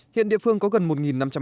hiện địa phương có gần một chợ mai